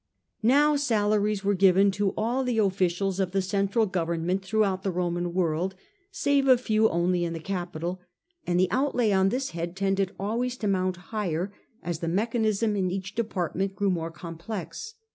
Now 14 The Age of the A ntonines. a. d salaries were given to all the officials of the central government throughout the Roman world, save a few only in the capital, and the outlay on this head tended always to mount higher as the mechanism in each department grew more complex.